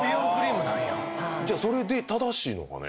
じゃあそれで正しいのかね？